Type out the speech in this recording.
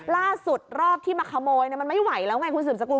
รอบที่มาขโมยมันไม่ไหวแล้วไงคุณสืบสกุล